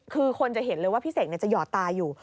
คือคนจะเห็นเลยว่าพี่เสกจะหยอดตาอยู่